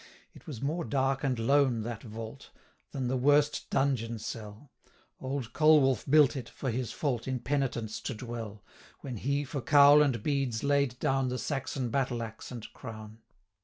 It was more dark and lone that vault, Than the worst dungeon cell: 315 Old Colwulf built it, for his fault, In penitence to dwell, When he, for cowl and beads, laid down The Saxon battle axe and crown.